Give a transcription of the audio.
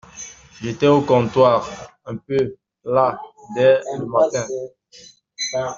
J’étais au comptoir, un peu las dès le matin.